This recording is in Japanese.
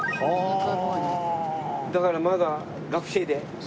だからまだ学生で。